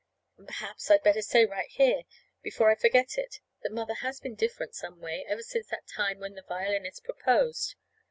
And perhaps I'd better say right here, before I forget it, that Mother has been different, some way, ever since that time when the violinist proposed.